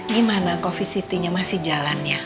gimana covisitinya masih jalan ya